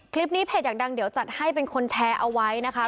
เพจอยากดังเดี๋ยวจัดให้เป็นคนแชร์เอาไว้นะคะ